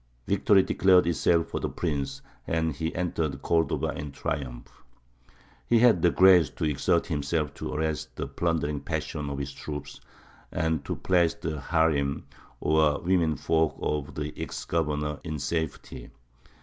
Victory declared itself for the prince, and he entered Cordova in triumph. He had the grace to exert himself to arrest the plundering passions of his troops, and to place the harīm or women folk of the ex governor in safety.